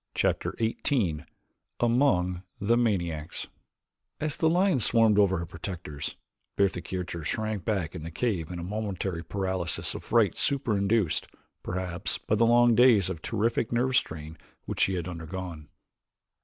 Chapter XVIII Among the Maniacs As the lions swarmed over her protectors, Bertha Kircher shrank back in the cave in a momentary paralysis of fright super induced, perhaps, by the long days of terrific nerve strain which she had undergone.